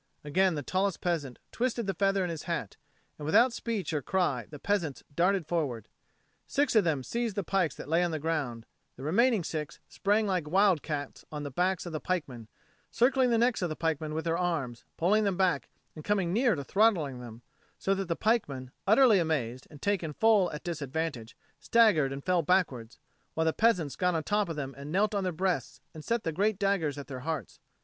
Again the tallest peasant twisted the feather in his hat; and without speech or cry the peasants darted forward. Six of them seized the pikes that lay on the ground; the remaining six sprang like wild cats on the backs of the pikemen, circling the necks of the pikemen with their arms, pulling them back and coming near to throttling them, so that the pikemen, utterly amazed and taken full at disadvantage, staggered and fell backward, while the peasants got on the top of them and knelt on their breasts and set the great daggers at their hearts.